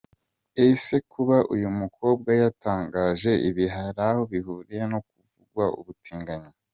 Ese kuba uyu mukobwa yatangaje ibi hari aho bihuriye no kuvugwaho ubutinganyi?.